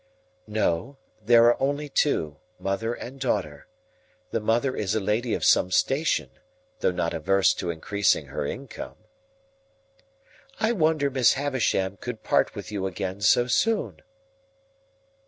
"No; there are only two; mother and daughter. The mother is a lady of some station, though not averse to increasing her income." "I wonder Miss Havisham could part with you again so soon."